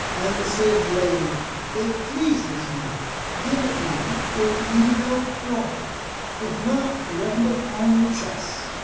And the Cid laid, "It pleases me: give it me if ye have brought it; if not, reckon it upon the chests."